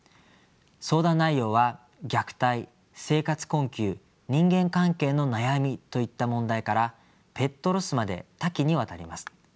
相談内容は虐待生活困窮人間関係の悩みといった問題からペットロスまで多岐にわたります。